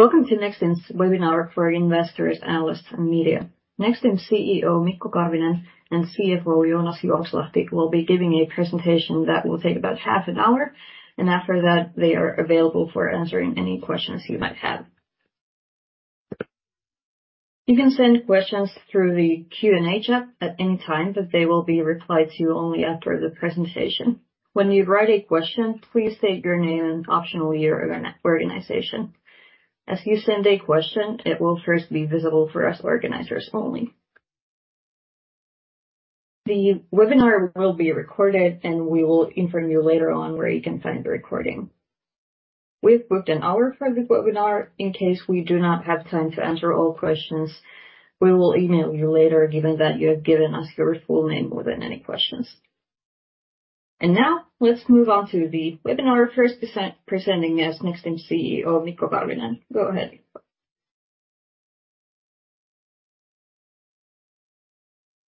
Welcome to Nexstim's Webinar for Investors, Analysts, and Media. Nexstim CEO, Mikko Karvinen, and CFO, Joonas Juokslahti, will be giving a presentation that will take about half an hour, and after that, they are available for answering any questions you might have. You can send questions through the Q&A chat at any time, but they will be replied to only after the presentation. When you write a question, please state your name and optionally, your organization. As you send a question, it will first be visible for us organizers only. The webinar will be recorded, and we will inform you later on where you can find the recording. We've booked an hour for the webinar. In case we do not have time to answer all questions, we will email you later, given that you have given us your full name within any questions. Now, let's move on to the webinar. First presenting us, Nexstim CEO Mikko Karvinen. Go ahead.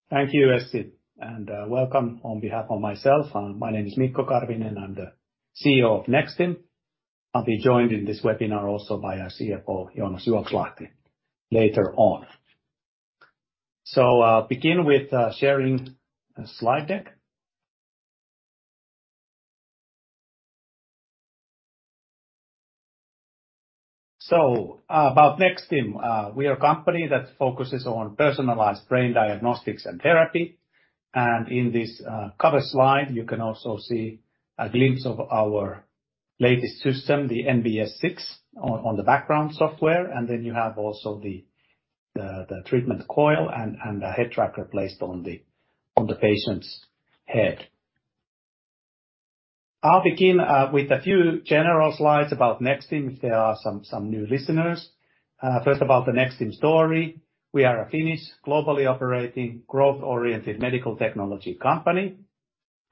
Thank you, Essi, and welcome on behalf of myself. My name is Mikko Karvinen, I'm the CEO of Nexstim. I'll be joined in this webinar also by our CFO, Joonas Juokslahti, later on. I'll begin with sharing a slide deck. About Nexstim. We are a company that focuses on personalized brain diagnostics and therapy, and in this cover slide, you can also see a glimpse of our latest system, the NBS 6, on, on the background software, and then you have also the, the, the treatment coil and, and the head tracker placed on the, on the patient's head. I'll begin with a few general slides about Nexstim, if there are some, some new listeners. First about the Nexstim story, we are a Finnish, globally operating, growth-oriented medical technology company.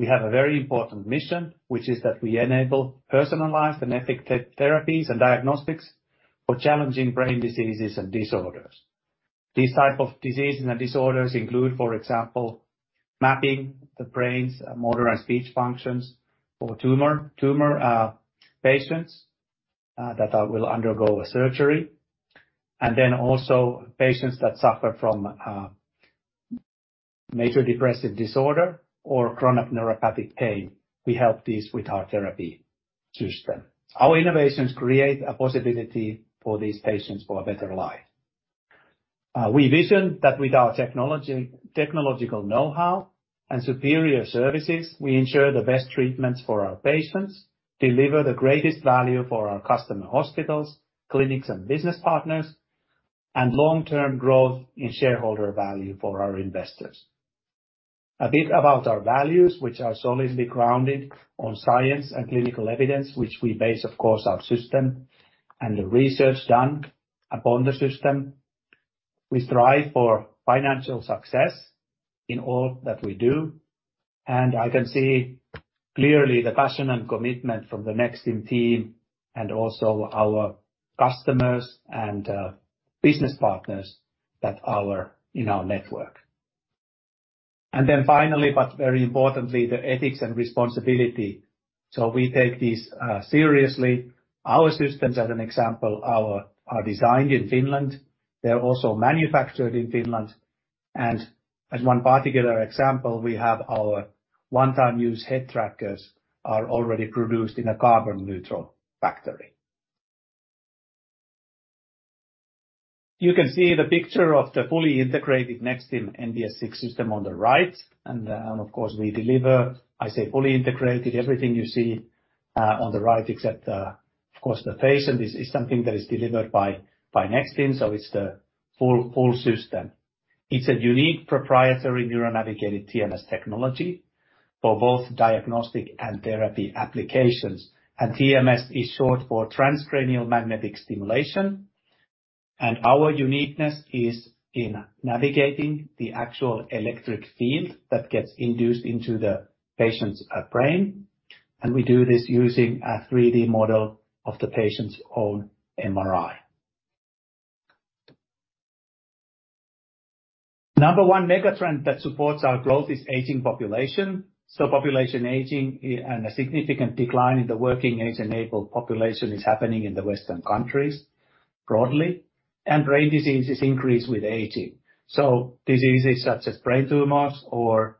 We have a very important mission, which is that we enable personalized and effective therapies and diagnostics for challenging brain diseases and disorders. These type of diseases and disorders include, for example, mapping the brain's motor and speech functions for tumor patients that will undergo a surgery, and then also patients that suffer from major depressive disorder or chronic neuropathic pain. We help these with our therapy system. Our innovations create a possibility for these patients for a better life. We vision that with our technology, technological know-how and superior services, we ensure the best treatments for our patients, deliver the greatest value for our customer hospitals, clinics, and business partners, and long-term growth in shareholder value for our investors. A bit about our values, which are solidly grounded on science and clinical evidence, which we base, of course, our system and the research done upon the system. We strive for financial success in all that we do, and I can see clearly the passion and commitment from the Nexstim team and also our customers and business partners that are in our network. Finally, very importantly, the ethics and responsibility. We take this seriously. Our systems, as an example, are designed in Finland, they're also manufactured in Finland, and as one particular example, we have our one-time use head trackers are already produced in a carbon-neutral factory. You can see the picture of the fully integrated Nexstim NBS 6 system on the right, and, of course, we deliver, I say, fully integrated. Everything you see on the right, except, of course, the patient, is, is something that is delivered by, by Nexstim, so it's the full, full system. It's a unique proprietary neuronavigated TMS technology for both diagnostic and therapy applications. TMS is short for transcranial magnetic stimulation, and our uniqueness is in navigating the actual electric field that gets induced into the patient's brain, and we do this using a 3D model of the patient's own MRI. Number one mega trend that supports our growth is aging population. Population aging, and a significant decline in the working age-enabled population is happening in the Western countries broadly, and brain diseases increase with aging. Diseases such as brain tumors or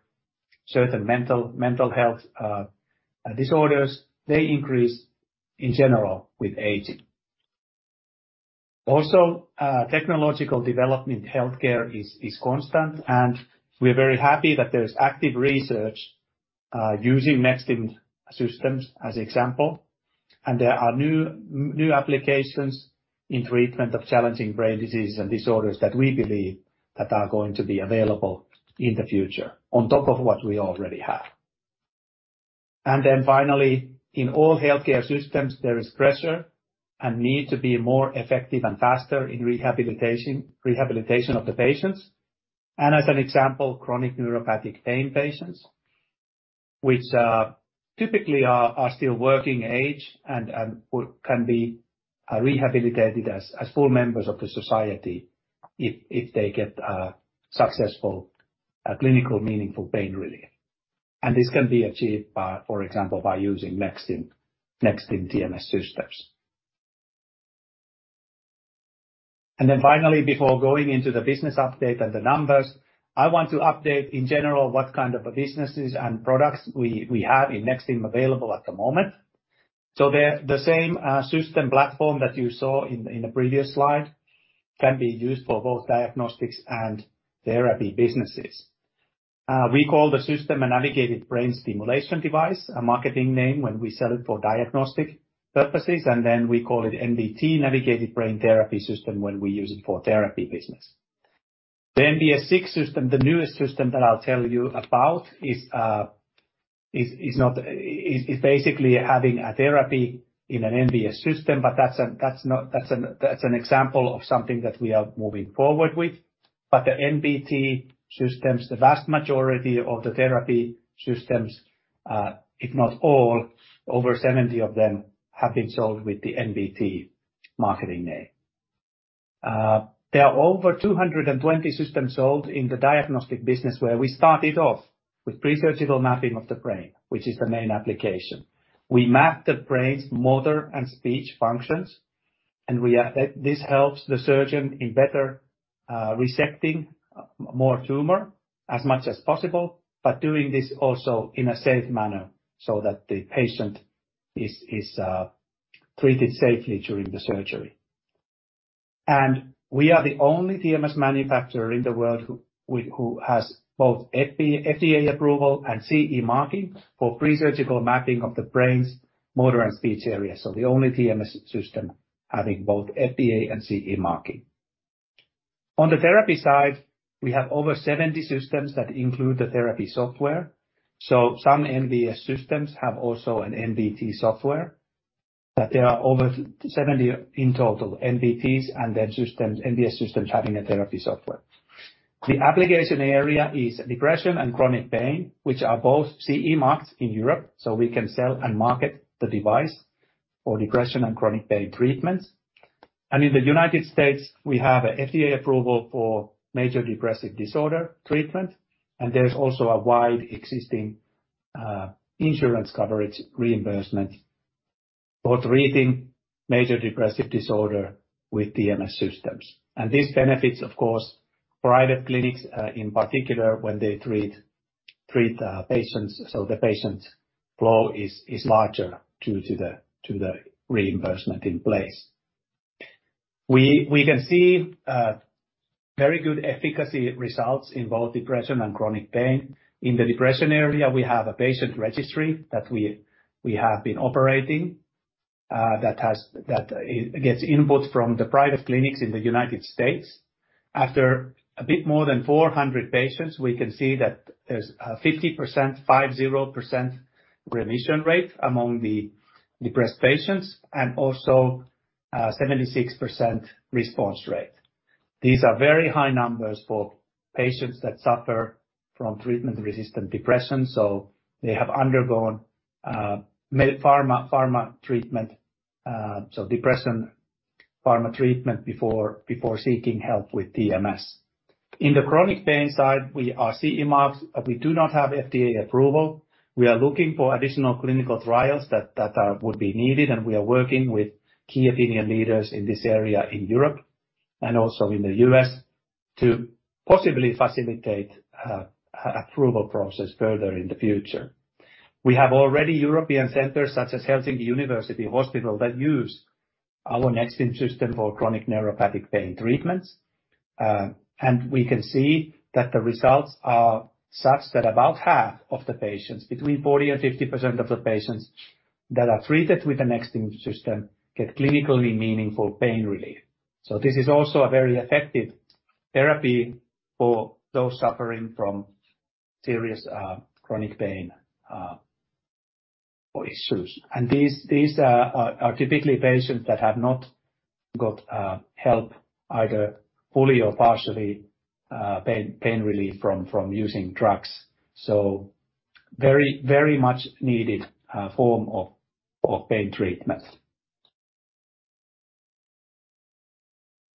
certain mental, mental health disorders, they increase, in general, with aging. Also, technological development in healthcare is, is constant, and we're very happy that there is active research, using Nexstim systems as example. There are new, new applications in treatment of challenging brain diseases and disorders that we believe that are going to be available in the future, on top of what we already have. Then finally, in all healthcare systems, there is pressure and need to be more effective and faster in rehabilitation, rehabilitation of the patients, and as an example, chronic neuropathic pain patients, which, typically are, are still working age and, can be, rehabilitated as, as full members of the society if, if they get, successful, clinical, meaningful pain relief. This can be achieved by, for example, by using Nexstim, Nexstim TMS systems. Then finally, before going into the business update and the numbers, I want to update in general, what kind of businesses and products we, we have in Nexstim available at the moment. They're the same system platform that you saw in, in the previous slide, can be used for both diagnostics and therapy businesses. We call the system a Navigated Brain Stimulation device, a marketing name when we sell it for diagnostic purposes, and then we call it NBT, Navigated Brain Therapy system, when we use it for therapy business. The NBS 6 system, the newest system that I'll tell you about is, is basically having a therapy in an NBS system, but that's an example of something that we are moving forward with. The NBT systems, the vast majority of the therapy systems, if not all, over 70 of them, have been sold with the NBT marketing name. There are over 220 systems sold in the diagnostic business, where we started off with pre-surgical mapping of the brain, which is the main application. We map the brain's motor and speech functions, and this helps the surgeon in better resecting more tumor as much as possible, but doing this also in a safe manner so that the patient is treated safely during the surgery. We are the only TMS manufacturer in the world who has both FDA approval and CE marking for pre-surgical mapping of the brain's motor and speech areas. The only TMS system having both FDA and CE marking. On the therapy side, we have over 70 systems that include the therapy software. Some NBS systems have also an NBT software, but there are over 70 in total, NBTs and then systems, NBS systems having a therapy software. The application area is depression and chronic pain, which are both CE-marked in Europe, so we can sell and market the device for depression and chronic pain treatments. In the United States, we have a FDA approval for major depressive disorder treatment, and there is also a wide existing insurance coverage reimbursement for treating major depressive disorder with TMS systems. This benefits, of course, private clinics in particular, when they treat, treat patients, so the patient flow is larger due to the reimbursement in place. We, we can see very good efficacy results in both depression and chronic pain. In the depression area, we have a patient registry that we, we have been operating, that gets input from the private clinics in the U.S. After a bit more than 400 patients, we can see that there's a 50%, 50% remission rate among the depressed patients, and also, 76% response rate. These are very high numbers for patients that suffer from treatment-resistant depression, so they have undergone, pharma, pharma treatment, so depression pharma treatment before, before seeking help with TMS. In the chronic pain side, we are CE-marked, but we do not have FDA approval. We are looking for additional clinical trials that would be needed, and we are working with key opinion leaders in this area in Europe and also in the U.S., to possibly facilitate, a approval process further in the future. We have already European centers, such as Helsinki University Hospital, that use our Nexstim system for chronic neuropathic pain treatments. We can see that the results are such that about half of the patients, between 40%-50% of the patients that are treated with the Nexstim system, get clinically meaningful pain relief. This is also a very effective therapy for those suffering from serious, chronic pain, or issues. These are typically patients that have not got, help, either fully or partially, pain relief from, from using drugs. Very, very much needed form of pain treatment.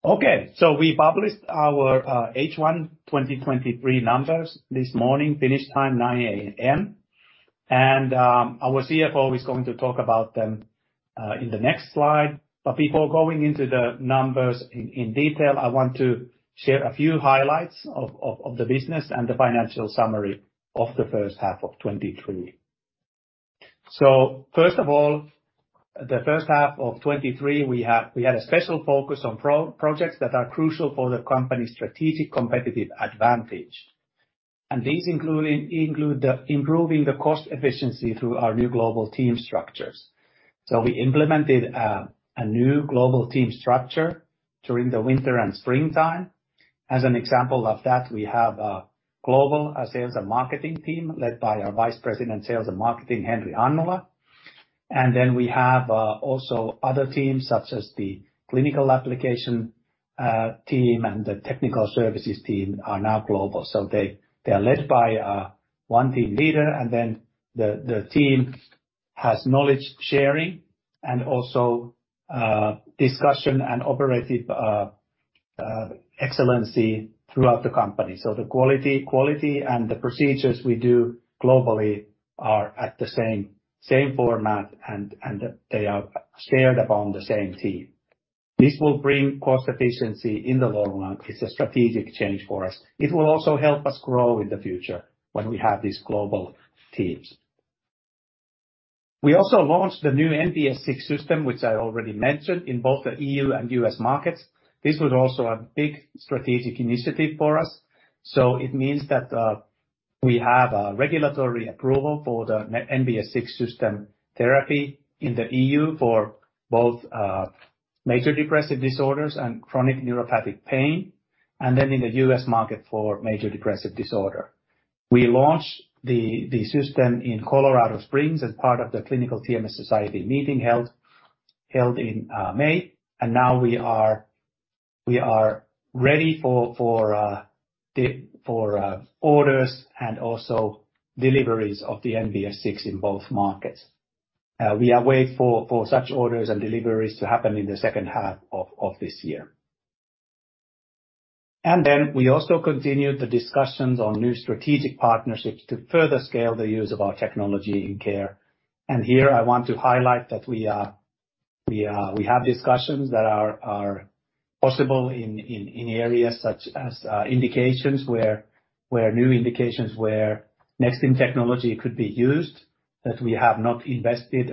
We published our H1 2023 numbers this morning, Finnish time, 9:00 A.M. Our CFO is going to talk about them in the next slide. Before going into the numbers in detail, I want to share a few highlights of the business and the financial summary of the first half of 2023. First of all, the first half of 2023, we had a special focus on projects that are crucial for the company's strategic competitive advantage. These including, include the improving the cost efficiency through our new global team structures. We implemented a new global team structure during the winter and springtime. As an example of that, we have a global sales and marketing team, led by our Vice President, Sales and Marketing, Henri Hannula. Then we have also other teams, such as the clinical application team and the technical services team, are now global. They are led by one team leader, and then the team has knowledge sharing and also discussion and operative excellency throughout the company. The quality, quality, and the procedures we do globally are at the same, same format, and they are shared upon the same team. This will bring cost efficiency in the long run. It's a strategic change for us. It will also help us grow in the future when we have these global teams. We also launched the new NBS 6 system, which I already mentioned, in both the EU and U.S. markets. This was also a big strategic initiative for us, so it means that we have a regulatory approval for the NBS 6 system therapy in the EU for both major depressive disorder and chronic neuropathic pain, and then in the U.S. market for major depressive disorder. We launched the system in Colorado Springs as part of the Clinical TMS Society meeting held in May, and now we are ready for orders and also deliveries of the NBS 6 in both markets. We are wait for such orders and deliveries to happen in the second half of this year. Then we also continued the discussions on new strategic partnerships to further scale the use of our technology in care. Here I want to highlight that we have discussions that are possible in areas such as, indications where new indications, where Nexstim technology could be used, that we have not invested,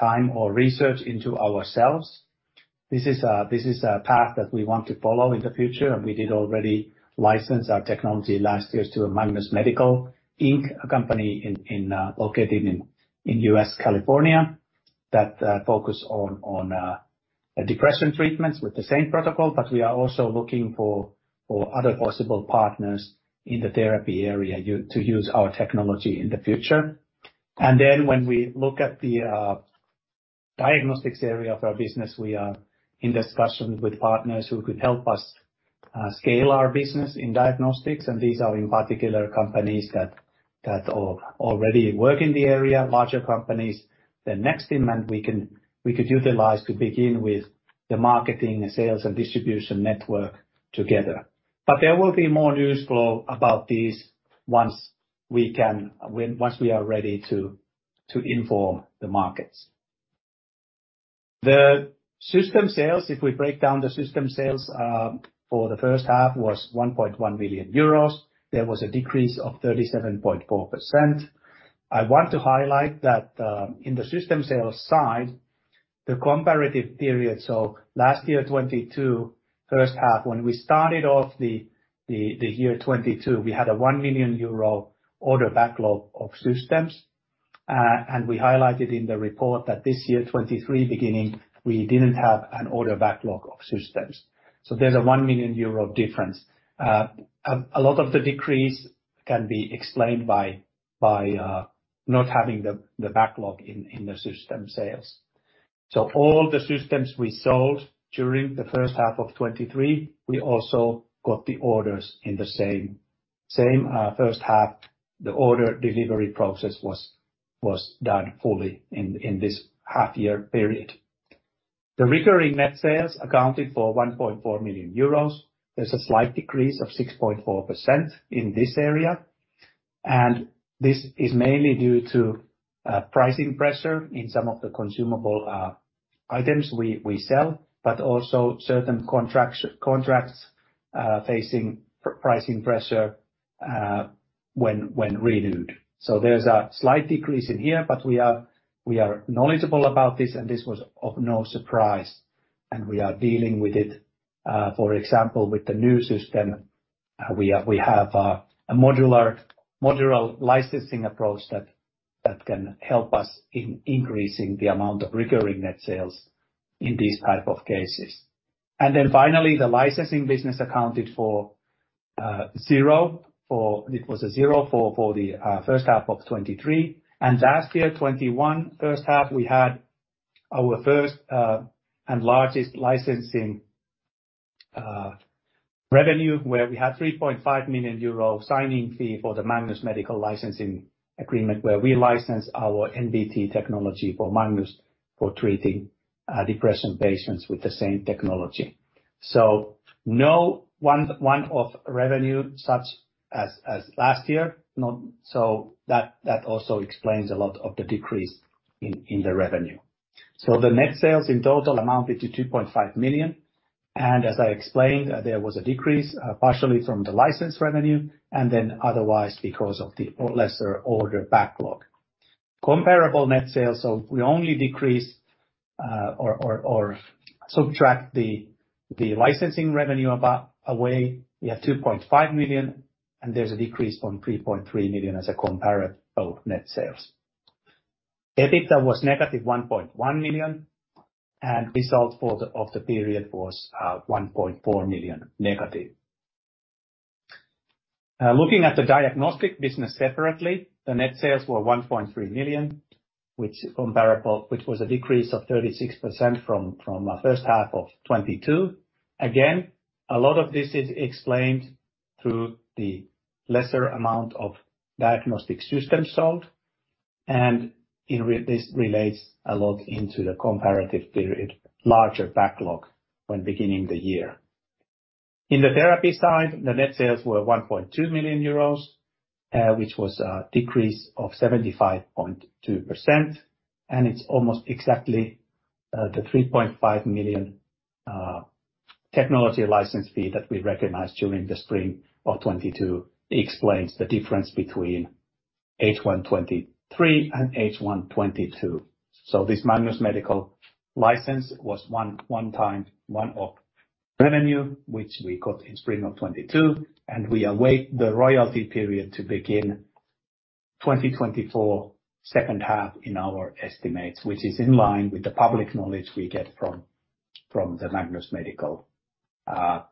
time or research into ourselves. This is a path that we want to follow in the future, and we did already license our technology last year to Magnus Medical, Inc., a company located in U.S., California, that focus on depression treatments with the same protocol, but we are also looking for, for other possible partners in the therapy area to use our technology in the future. When we look at the diagnostics area of our business, we are in discussions with partners who could help us scale our business in diagnostics, and these are in particular companies that already work in the area, larger companies. The Nexstim and we can, we could utilize to begin with the marketing, sales, and distribution network together. There will be more news flow about this once we are ready to inform the markets. The system sales, if we break down the system sales for the first half, was 1.1 million euros. There was a decrease of 37.4%. I want to highlight that in the system sales side, the comparative period, so last year, 2022, first half, when we started off the year 2022, we had a 1 million euro order backlog of systems. We highlighted in the report that this year, 2023, beginning, we didn't have an order backlog of systems. There's a 1 million euro difference. A lot of the decrease can be explained by not having the backlog in the system sales. All the systems we sold during the first half of 2023, we also got the orders in the same first half. The order delivery process was done fully in this half year period. The recurring net sales accounted for 1.4 million euros. There's a slight decrease of 6.4% in this area, and this is mainly due to pricing pressure in some of the consumable items we sell, but also certain contracts facing pricing pressure when renewed. There's a slight decrease in here, but we are knowledgeable about this, and this was of no surprise, and we are dealing with it. For example, with the new system, we have a modular licensing approach that can help us in increasing the amount of recurring net sales in these type of cases. Finally, the licensing business accounted for zero for. It was a zero for the H1 2023. Last year, 2021, H1, we had our first, and largest licensing, revenue, where we had 3.5 million euro signing fee for the Magnus Medical licensing agreement, where we license our NBT technology for Magnus for treating, depression patients with the same technology. No one, one-off revenue, such as last year. That also explains a lot of the decrease in the revenue. The net sales in total amounted to 2.5 million. As I explained, there was a decrease, partially from the license revenue, and then otherwise because of the lesser order backlog. Comparable net sales, we only decrease, or subtract the, the licensing revenue away. We have 2.5 million. There's a decrease from 3.3 million as a comparative net sales. EBITDA was -1.1 million. Result of the period was -1.4 million. Looking at the diagnostic business separately, the net sales were 1.3 million, which was a decrease of 36% from H1 2022. Again, a lot of this is explained through the lesser amount of diagnostic systems sold. This relates a lot into the comparative period, larger backlog when beginning the year. In the therapy side, the net sales were 1.2 million euros, which was a decrease of 75.2%, and it's almost exactly the $3.5 million technology license fee that we recognized during the spring of 2022. Explains the difference between H1 2023 and H1 2022. This Magnus Medical license was one, one time, one-off revenue, which we got in spring of 2022, and we await the royalty period to begin 2024, second half in our estimates, which is in line with the public knowledge we get from, from the Magnus Medical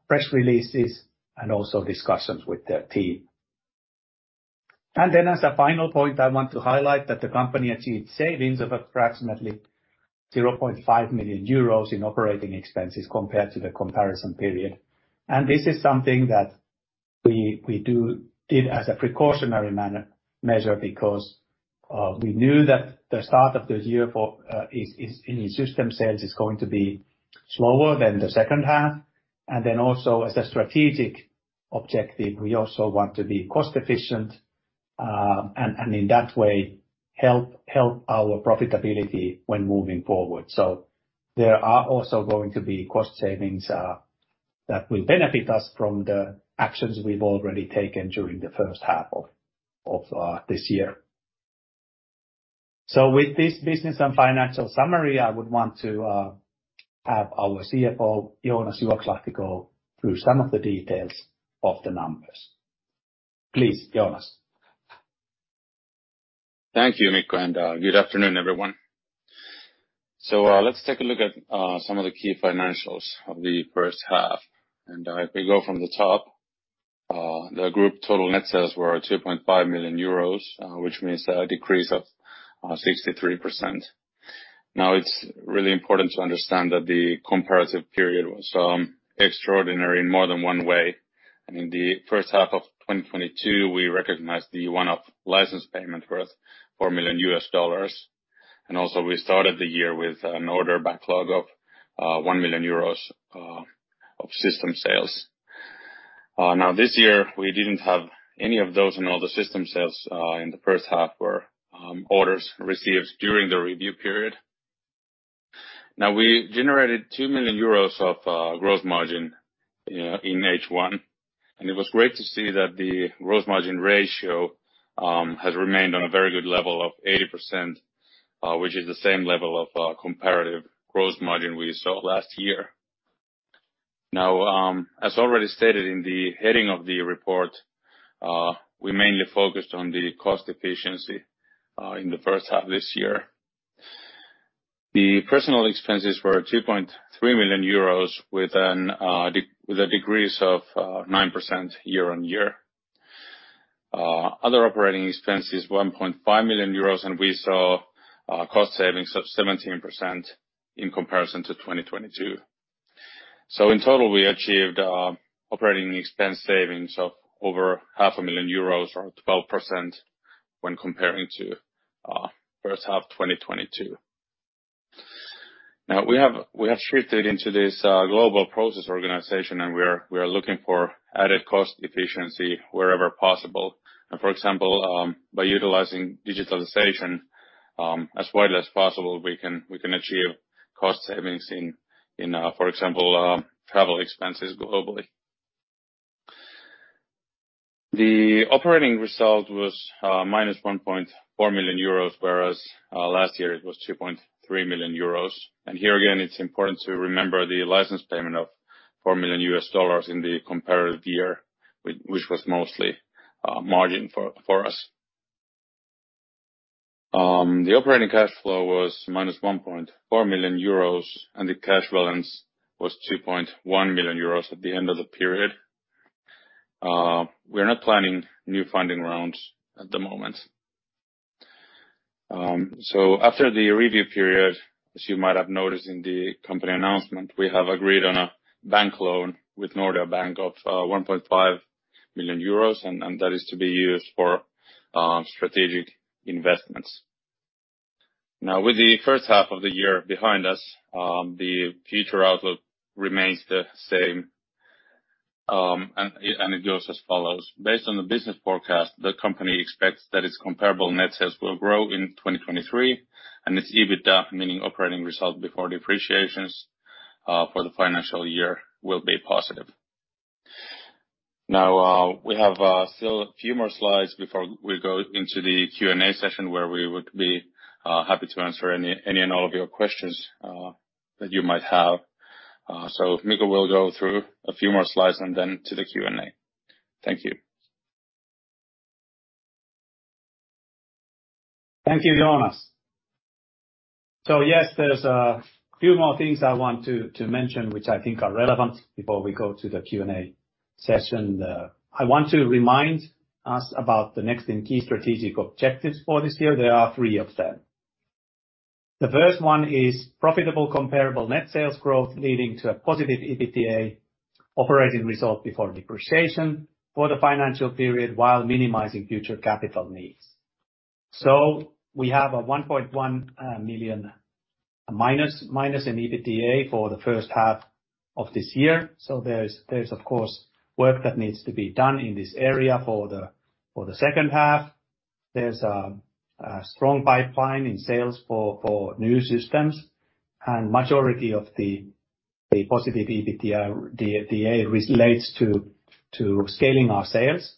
press releases and also discussions with their team. As a final point, I want to highlight that the company achieved savings of approximately 0.5 million euros in operating expenses compared to the comparison period. This is something that we did as a precautionary manner, measure because we knew that the start of the year for is in system sales, is going to be slower than the second half, and then also as a strategic objective, we also want to be cost efficient, and in that way, help, help our profitability when moving forward. There are also going to be cost savings that will benefit us from the actions we've already taken during the first half of this year. With this business and financial summary, I would want to have our CFO, Joonas Juokslahti, go through some of the details of the numbers. Please, Joonas. Thank you, Mikko. Good afternoon, everyone. Let's take a look at some of the key financials of the H1. If we go from the top, the group total net sales were 2.5 million euros, which means a decrease of 63%. It's really important to understand that the comparative period was extraordinary in more than one way. I mean, the H1 2022, we recognized the one-off license payment worth $4 million. We started the year with an order backlog of 1 million euros of system sales. This year, we didn't have any of those. All the system sales in the H1 were orders received during the review period. We generated 2 million euros of gross margin in H1, and it was great to see that the gross margin ratio has remained on a very good level of 80%, which is the same level of comparative gross margin we saw last year. As already stated in the heading of the report, we mainly focused on the cost efficiency in the first half of this year. The personal expenses were 2.3 million euros, with a decrease of 9% year-on-year. Other operating expenses, 1.5 million euros, and we saw cost savings of 17% in comparison to 2022. In total, we achieved operating expense savings of over 500,000 euros, or 12%, when comparing to first half 2022. We have, we have shifted into this global process organization. We are, we are looking for added cost efficiency wherever possible. For example, by utilizing digitalization as widely as possible, we can, we can achieve cost savings in, for example, travel expenses globally. The operating result was -1.4 million euros, whereas last year it was 2.3 million euros. Here, again, it's important to remember the license payment of $4 million in the comparative year, which was mostly margin for us. The operating cash flow was -1.4 million euros, and the cash balance was 2.1 million euros at the end of the period. We are not planning new funding rounds at the moment. So after the review period, as you might have noticed in the company announcement, we have agreed on a bank loan with Nordea Bank of 1.5 million euros, that is to be used for strategic investments. With the first half of the year behind us, the future outlook remains the same, it goes as follows: Based on the business forecast, the company expects that its comparable net sales will grow in 2023, and its EBITDA, meaning operating result before depreciations, for the financial year, will be positive. We have still a few more slides before we go into the Q&A session, where we would be happy to answer any and all of your questions that you might have. Mikko will go through a few more slides and then to the Q&A. Thank you. Thank you, Joonas. Yes, there's a few more things I want to, to mention, which I think are relevant before we go to the Q&A session. I want to remind us about the Nexstim key strategic objectives for this year. There are three of them. The first one is profitable comparable net sales growth, leading to a positive EBITDA operating result before depreciation for the financial period, while minimizing future capital needs. We have a -1.1 million, minus in EBITDA for the first half of this year. There's, there's, of course, work that needs to be done in this area for the, for the second half. There's a, a strong pipeline in sales for, for new systems, and majority of the, the positive EBITDA, the DA relates to, to scaling our sales.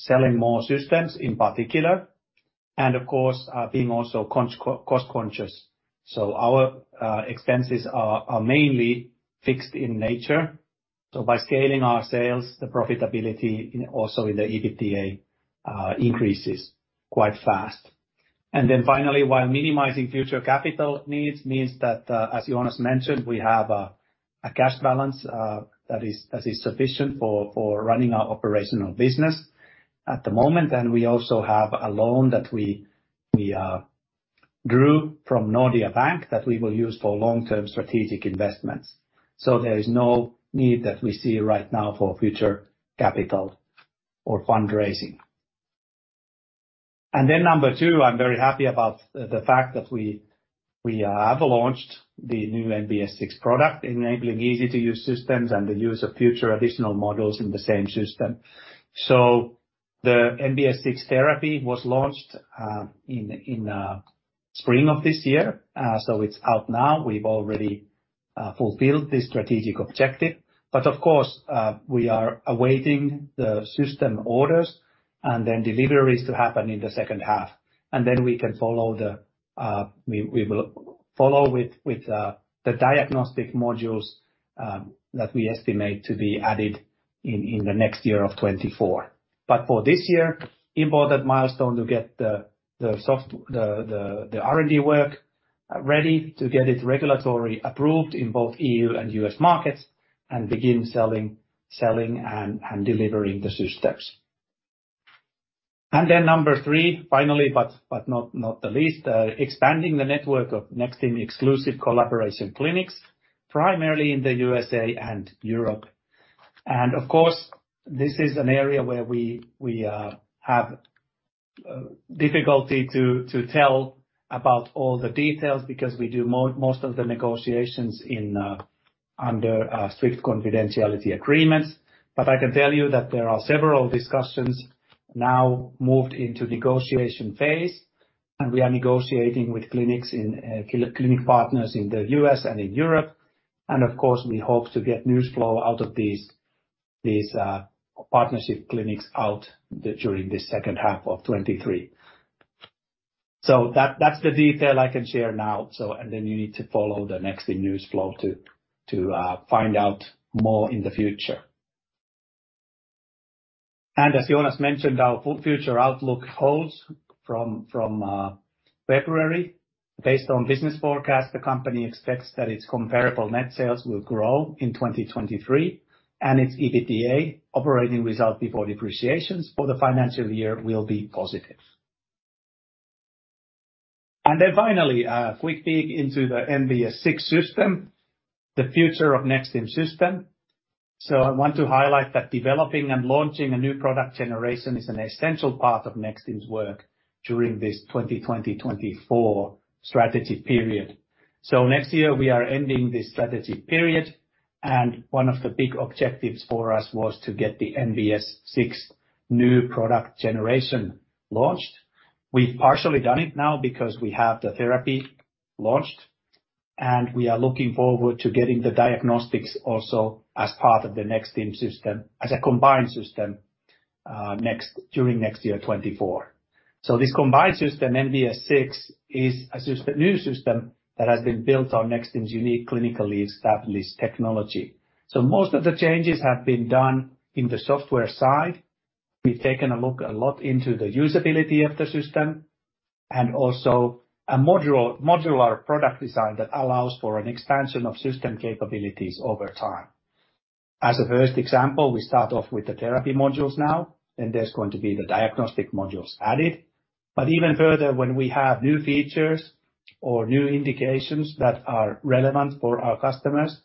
Selling more systems in particular, and of course, being also cost conscious. Our expenses are mainly fixed in nature. By scaling our sales, the profitability in also in the EBITDA increases quite fast. Finally, while minimizing future capital needs, means that as Joonas mentioned, we have a cash balance that is sufficient for running our operational business at the moment. We also have a loan that we drew from Nordea Bank that we will use for long-term strategic investments. There is no need that we see right now for future capital or fundraising. Number two, I'm very happy about the fact that we have launched the new NBS 6 product, enabling easy-to-use systems and the use of future additional models in the same system. The NBS 6 therapy was launched in spring of this year. It's out now. We've already fulfilled this strategic objective, but of course, we are awaiting the system orders and then deliveries to happen in the second half. We can follow the, we will follow with the diagnostic modules that we estimate to be added in the next year of 2024. For this year, important milestone to get the R&D work ready to get it regulatory approved in both EU and U.S. markets and begin selling and delivering the systems. Number three, finally, not the least, expanding the network of Nexstim exclusive collaboration clinics, primarily in the USA and Europe. Of course, this is an area where we have difficulty to tell about all the details, because we do most of the negotiations in under strict confidentiality agreements. I can tell you that there are several discussions now moved into negotiation phase, and we are negotiating with clinics in clinic partners in the U.S. and in Europe. Of course, we hope to get news flow out of these partnership clinics during the second half of 2023. That's the detail I can share now. Then you need to follow the Nexstim news flow to find out more in the future. As Joonas mentioned, our future outlook holds from February. Based on business forecast, the company expects that its comparable net sales will grow in 2023, its EBITDA operating result before depreciations for the financial year will be positive. Finally, a quick peek into the NBS 6 system, the future of Nexstim system. I want to highlight that developing and launching a new product generation is an essential part of Nexstim's work during this 2020-2024 strategy period. Next year we are ending this strategy period, and one of the big objectives for us was to get the NBS 6 new product generation launched. We've partially done it now because we have the therapy launched, and we are looking forward to getting the diagnostics also as part of the Nexstim system, as a combined system, during next year, 2024. This combined system, NBS 6, is a new system that has been built on Nexstim's unique, clinically established technology. Most of the changes have been done in the software side. We've taken a look a lot into the usability of the system, and also a modular product design that allows for an expansion of system capabilities over time. As a first example, we start off with the therapy modules now, and there's going to be the diagnostic modules added. Even further, when we have new features or new indications that are relevant for our customers,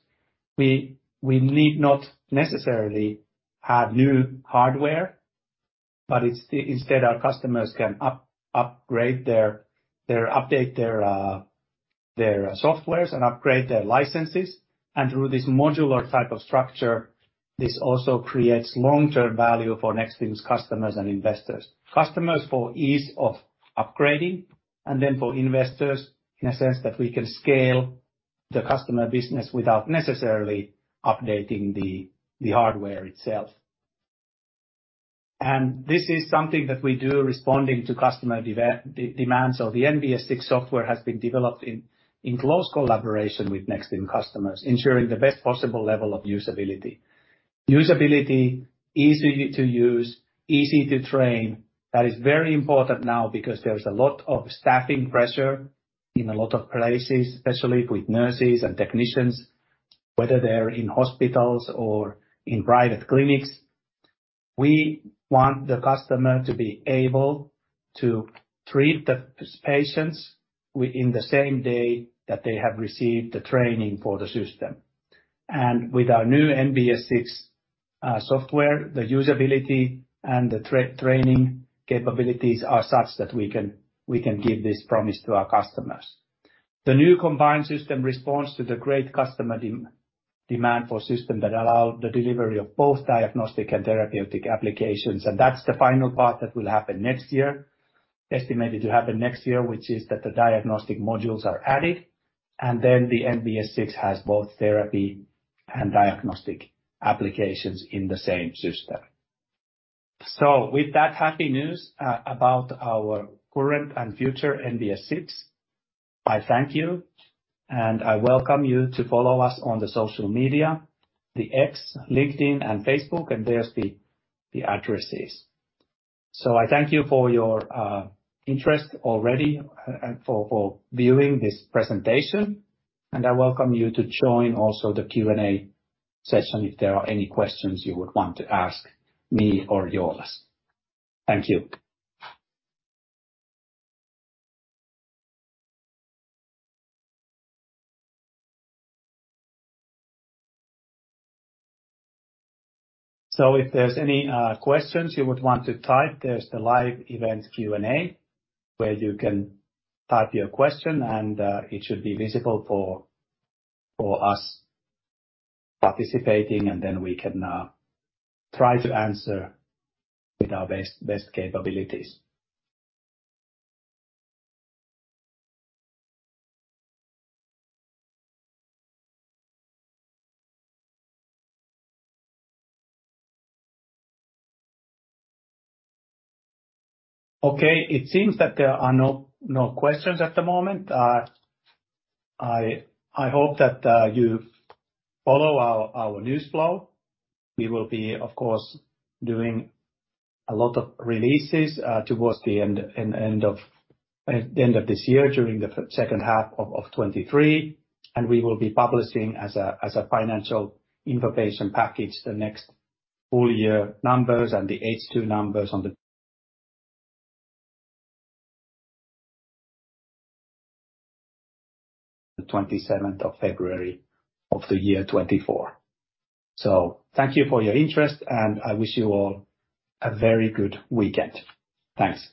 we, we need not necessarily have new hardware, but it's instead, our customers can upgrade their update their softwares, and upgrade their licenses. Through this modular type of structure, this also creates long-term value for Nexstim's customers and investors. Customers for ease of upgrading, for investors, in a sense that we can scale the customer business without necessarily updating the hardware itself. This is something that we do responding to customer demands. The NBS 6 software has been developed in close collaboration with Nexstim customers, ensuring the best possible level of usability. Usability, easy to use, easy to train, that is very important now because there's a lot of staffing pressure in a lot of places, especially with nurses and technicians, whether they're in hospitals or in private clinics. We want the customer to be able to treat the patients within the same day that they have received the training for the system. With our new NBS 6 software, the usability and the training capabilities are such that we can give this promise to our customers. The new combined system responds to the great customer dema- demand for system that allow the delivery of both diagnostic and therapeutic applications. That's the final part that will happen next year, estimated to happen next year, which is that the diagnostic modules are added, then the NBS 6 has both therapy and diagnostic applications in the same system. With that happy news about our current and future NBS 6, I thank you, I welcome you to follow us on the social media, X, LinkedIn, and Facebook, there's the addresses. I thank you for your interest already for viewing this presentation, I welcome you to join also the Q&A session if there are any questions you would want to ask me or Joonas. Thank you. If there's any questions you would want to type, there's the live event Q&A, where you can type your question and it should be visible for, for us participating, and then we can try to answer with our best, best capabilities. Okay, it seems that there are no, no questions at the moment. I, I hope that you follow our, our news flow. We will be, of course, doing a lot of releases towards the end, end of this year, during the second half of 2023, and we will be publishing as a, as a financial information package, the next full year numbers and the H2 numbers on the 27th of February of the year 2024. Thank you for your interest, and I wish you all a very good weekend. Thanks!